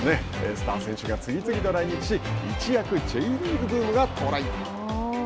スター選手が次々と来日し一躍Ｊリーグブームが到来。